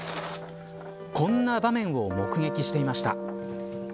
こんな場面を目撃していました。